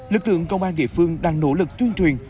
lực lượng công an địa phương đang nỗ lực tuyên truyền